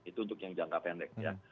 itu untuk yang jangka pendek ya